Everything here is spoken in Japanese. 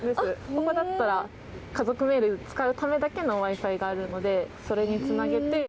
ここだったら、家族メール使うためだけのＷｉ−Ｆｉがあるので、それにつなげて。